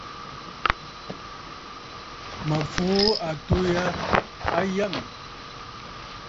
Mǝ̀ fùu àtû yâ natt.